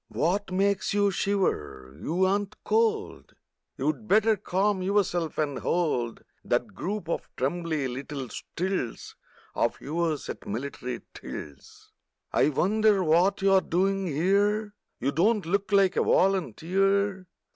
What makes you shiver? You ain't cold! You'd better calm yourself and hold That group of trembly little stilts Of yours at military tilts! I wonder what you're doin' here? You don't look like a volunteer!